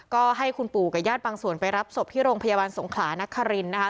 ก็ให้คุณปู่กับญาติบางส่วนไปรับศพที่โรงพยาบาลสงขลานครินนะคะ